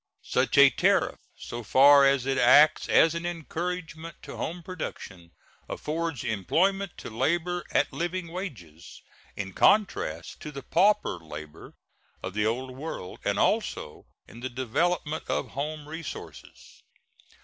Such a tariff, so far as it acts as an encouragement to home production, affords employment to labor at living wages, in contrast to the pauper labor of the Old World, and also in the development of home resources.